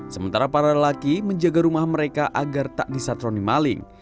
sementara para lelaki menjaga rumah mereka agar tak disatroni maling